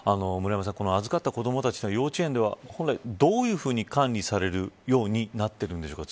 預かった子どもたち、幼稚園では本来どういうふうに管理されるようになっているんでしょうか。